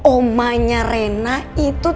omanya rena itu